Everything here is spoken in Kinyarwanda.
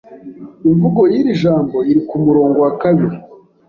Imvugo yiri jambo iri kumurongo wa kabiri.